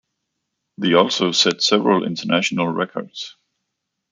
They also set several international records.